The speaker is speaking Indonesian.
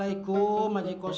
ini kapan suaranya tidak jelas